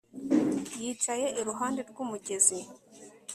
Yicaye iruhande rwumugezi